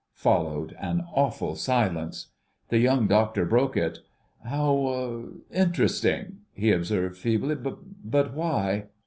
Followed an awful silence. The Young Doctor broke it. "How interesting," he observed feebly; "but why?"